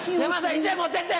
１枚持ってって！